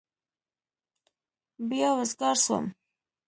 بيا وزگار سوم.